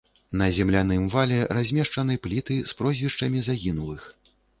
На земляным вале размешчаны пліты з прозвішчамі загінулых.